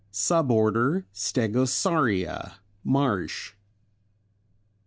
Suborder Stegosauria Marsh.